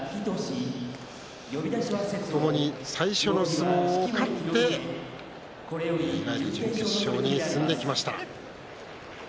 ともに最初の相撲を勝っていわゆる準決勝に進んできました。